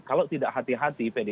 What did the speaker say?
kalau tidak hati hati